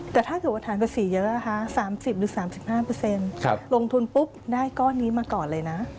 แต่ถ้าเกิดว่าฐานภาษีเยอะนะคะ๓๐หรือ๓๕ลงทุนปุ๊บได้ก้อนนี้มาก่อนเลยนะ